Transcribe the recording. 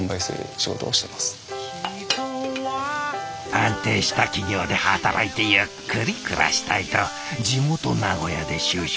安定した企業で働いてゆっくり暮らしたいと地元名古屋で就職。